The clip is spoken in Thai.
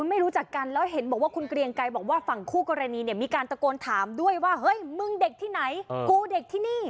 ไม่รู้จักกันแล้วเห็นบอกว่าคุณเกรียงไกรบอกว่าฝั่งคู่กรณีเนี่ยมีการตะโกนถามด้วยว่าเฮ้ยมึงเด็กที่ไหนกูเด็กที่นี่